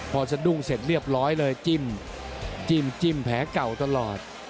พอสะดุ้งเสร็จเรียบร้อยเลยจิ้มจิ้มแผลเก่าตลอด